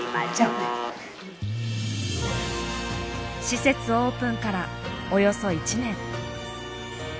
施設オープンからおよそ１年。